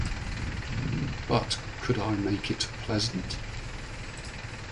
But could I make it pleasant?